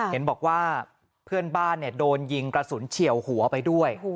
เห็นบอกว่าเพื่อนบ้านโดนยิงกระสุนเฉียวหัวไปด้วย